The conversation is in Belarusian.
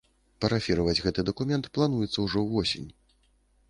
Парафіраваць гэты дакумент плануецца ўжо ўвосень.